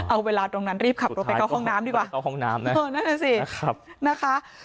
เอาเวลาตรงนั้นรีบขับลงไปเข้าห้องน้ำดีกว่า